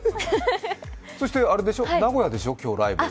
そして名古屋でしょう、ライブ。